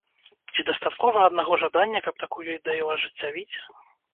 Ці дастаткова аднаго жадання, каб такую ідэю ажыццявіць?